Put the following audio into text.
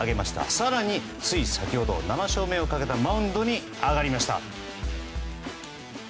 更につい先ほど７勝目をかけたマウンドに上がりました。